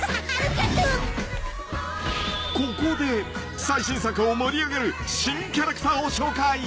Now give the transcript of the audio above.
［ここで最新作を盛り上げる新キャラクターを紹介］